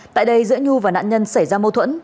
tại đây giữa nhu và nạn nhân xảy ra mâu thuẫn